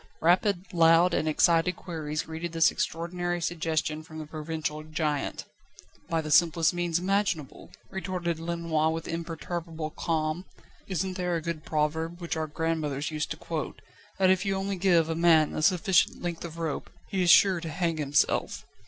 rapid, loud and excited queries greeted this extraordinary suggestion from the provincial giant. "By the simplest means imaginable," retorted Lenoir with imperturbable calm. "Isn't there a good proverb which our grandmothers used to quote, that if you only give a man a sufficient length of rope, he is sure to hang himself?